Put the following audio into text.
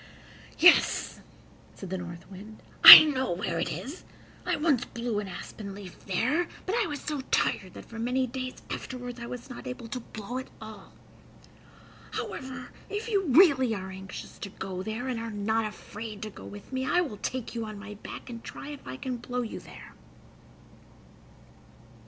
"Yes," said the North Wind, "I know where it is. I once blew an aspen leaf there, but I was so tired that for many days afterward I was not able to blow at all. However, if you really are anxious to go there, and are not afraid to go with me, I will take you on my back, and try if I can blow you there."